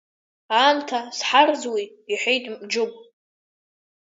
Аамҭа зҳарӡуеи, — иҳәеит Џьыгә.